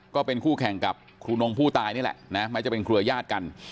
ก็เป็นคู่แข่งกับครูนงผู้ตายนี่แหละไม่ใช่เป็นครัวยาศกัน